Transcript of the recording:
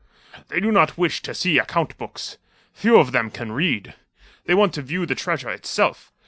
"They do not wish to see account books. Few of them can read. They want to view the treasure itself.